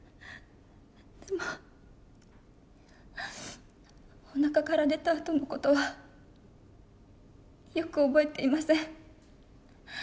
でもおなかから出たあとの事はよく覚えていません。